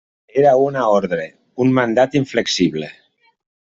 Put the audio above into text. Era una ordre, un mandat inflexible.